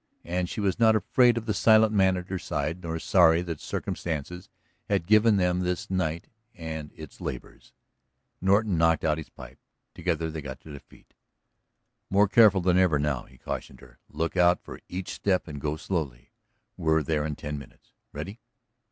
And she was not afraid of the silent man at her side, nor sorry that circumstance had given them this night and its labors. Norton knocked out his pipe. Together they got to their feet. "More careful than ever now," he cautioned her. "Look out for each step and go slowly. We're there in ten minutes. Ready?"